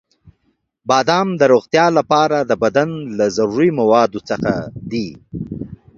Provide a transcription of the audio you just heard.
• بادام د روغتیا لپاره د بدن له ضروري موادو څخه دی.